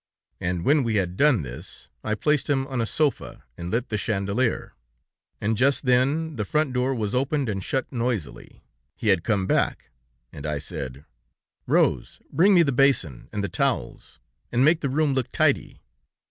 And when we had done this, I placed him on a sofa, and lit the chandeliers, and just then the front door was opened and shut noisily. He had come back, and I said: Rose, bring me the basin and the towels, and make the room look tidy.